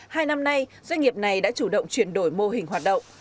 hai năm nay doanh nghiệp này đã chủ động chuyển đổi mô hình hoạt động